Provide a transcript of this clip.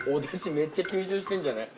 めっちゃ吸収してんじゃない？